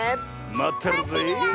まってるよ！